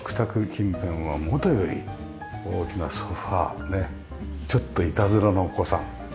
近辺はもとより大きなソファちょっといたずらのお子さん見ながら。